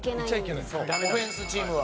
オフェンスチームは。